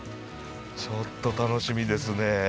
ちょっと楽しみですね。